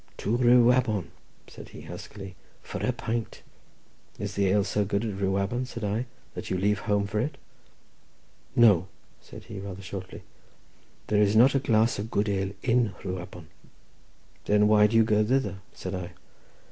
"To Rhiwabon," said he, huskily, "for a pint." "Is the ale so good at Rhiwabon," said I, "that you leave home for it?" "No," said he, rather shortly, "there's not a glass of good ale in Rhiwabon." "Then why do you go thither?" said I.